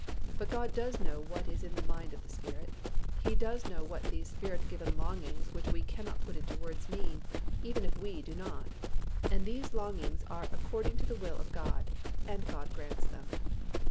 But God does know what is the mind of the Spirit; He does know what these Spirit given longings which we cannot put into words mean, even if we do not, and these longings are "according to the will of God," and God grants them.